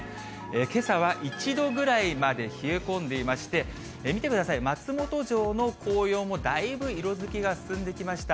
けさは１度ぐらいまで冷え込んでいまして、見てください、松本城の紅葉もだいぶ色づきが進んできました。